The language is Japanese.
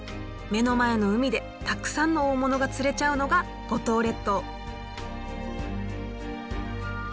目の前の海でたくさんの大物が釣れちゃうのが五島列島！